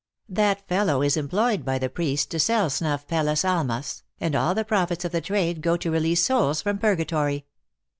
That fellow is employed by the priests to sell snuff* pelas almas, and all the profits of the trade go to re lease souls from purgatory."